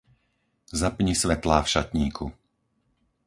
Zapni svetlá v šatníku.